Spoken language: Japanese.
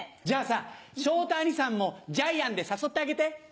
じゃあさ昇太兄さんもジャイアンで誘ってあげて。